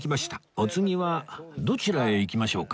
お次はどちらへ行きましょうか？